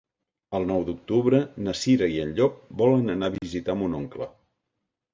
El nou d'octubre na Cira i en Llop volen anar a visitar mon oncle.